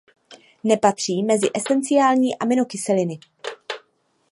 Nepatří mezi esenciální aminokyseliny.